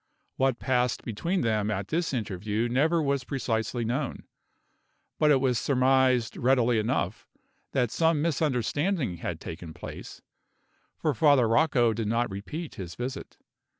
What passed between them at this interview never was precisely known; but it was surmised readily enough that some misunderstanding had taken place, for Father Rocco did not repeat his visit.